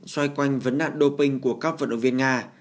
xoay quanh vấn đạn đô pinh của các vận động viên nga